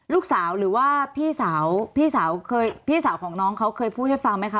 ลูกสาวหรือว่าพี่สาวพี่สาวเคยพี่สาวของน้องเขาเคยพูดให้ฟังไหมคะ